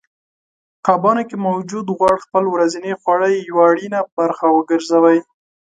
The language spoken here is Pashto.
کبانو کې موجود غوړ خپل ورځنۍ خواړه یوه اړینه برخه وګرځوئ